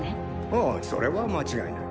ああそれは間違いない。